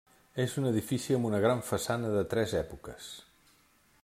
És un edifici amb una gran façana de tres èpoques.